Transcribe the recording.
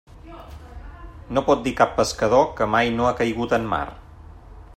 No pot dir cap pescador que mai no ha caigut en mar.